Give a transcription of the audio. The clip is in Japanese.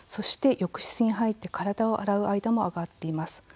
浴室に入って体を洗う間も上がっています。